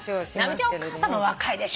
直美ちゃんお母さま若いでしょ。